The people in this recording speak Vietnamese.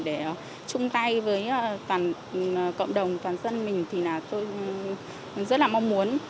để chung tay với toàn cộng đồng toàn dân mình thì là tôi rất là mong muốn